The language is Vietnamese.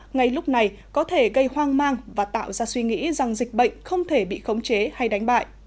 ngay lúc này có thể gây hoang mang và tạo ra suy nghĩ rằng dịch bệnh không thể bị khống chế hay đánh bại